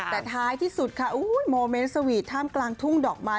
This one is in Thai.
แต่ท้ายที่สุดค่ะโมเมนต์สวีทท่ามกลางทุ่งดอกไม้